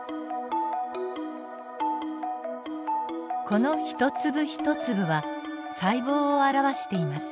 この一粒一粒は細胞を表しています。